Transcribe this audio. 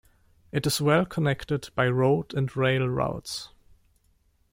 It is well connected by road and rail routes.